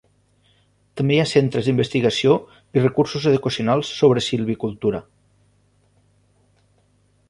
També hi ha centres d'investigació i recursos educacionals sobre silvicultura.